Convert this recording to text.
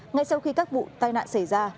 ngay sau khi các vụ tai nạn xảy ra